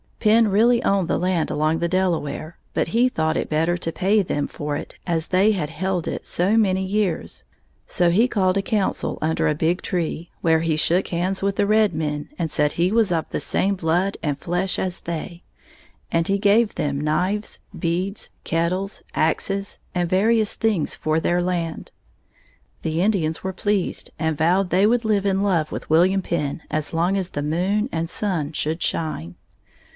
Penn really owned the land along the Delaware, but he thought it better to pay them for it as they had held it so many years, so he called a council under a big tree, where he shook hands with the red men and said he was of the same blood and flesh as they; and he gave them knives, beads, kettles, axes, and various things for their land. The Indians were pleased and vowed they would live in love with William Penn as long as the moon and sun should shine.